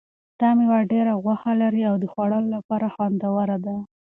دا مېوه ډېره غوښه لري او د خوړلو لپاره خوندوره ده.